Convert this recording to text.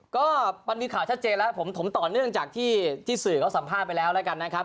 ก็มันมีข่าวชัดเจนแล้วผมถมต่อเนื่องจากที่สื่อเขาสัมภาษณ์ไปแล้วแล้วกันนะครับ